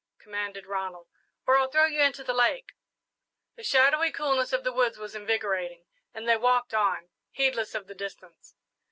commanded Ronald, "or I'll throw you into the lake." The shadowy coolness of the woods was invigorating, and they walked on, heedless of the distance.